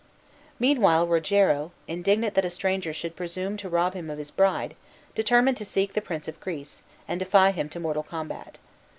Meanwhile Rogero, indignant that a stranger should presume to rob him of his bride, determined to seek the Prince of Greece, and defy him to mortal combat.